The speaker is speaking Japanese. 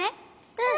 うん！